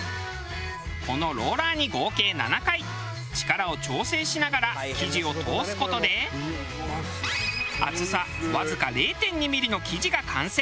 このローラーに合計７回力を調整しながら生地を通す事で厚さわずか０．２ミリの生地が完成。